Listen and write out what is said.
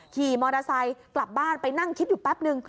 ขี่มอเตอร์ไซค์กลับบ้านไปนั่งคิดอยู่แป๊บนึง